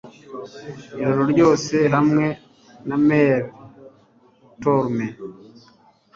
ijoro ryose hamwe na Mel Torme